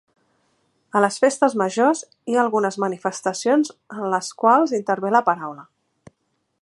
A les festes majors hi ha algunes manifestacions en les quals intervé la paraula.